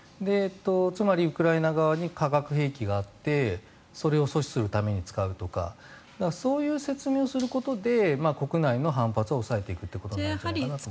つまりウクライナ側に化学兵器があってそれを阻止するために使うとかそういう説明をすることで国内の反発を抑えていくんじゃないかと思います。